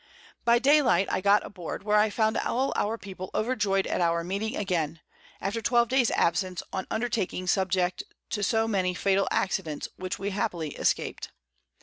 By Day light I got aboard, where I found all our People overjoyed at our Meeting again, after 12 Days Absence on an Undertaking subject to so many fatal Accidents, which we happily escaped.